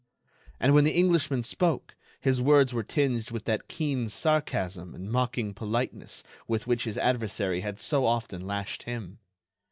And when the Englishman spoke his words were tinged with that keen sarcasm and mocking politeness with which his adversary had so often lashed him.